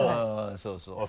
そうそう。